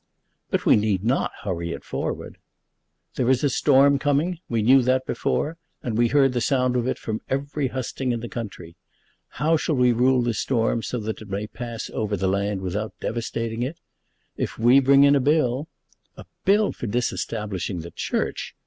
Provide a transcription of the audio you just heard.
"But we need not hurry it forward." "There is a storm coming. We knew that before, and we heard the sound of it from every husting in the country. How shall we rule the storm so that it may pass over the land without devastating it? If we bring in a bill " "A bill for disestablishing the Church!"